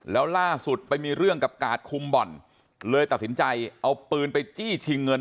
แล้วล่าสุดไปมีเรื่องกับกาดคุมบ่อนเลยตัดสินใจเอาปืนไปจี้ชิงเงิน